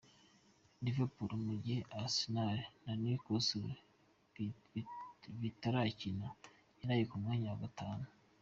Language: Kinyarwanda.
Liverpool mugihe Arsenal na Newcastle bitarakina yaraye ku mwanya wa gatanu.